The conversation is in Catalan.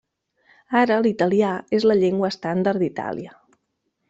Ara, l'italià és la llengua estàndard d'Itàlia.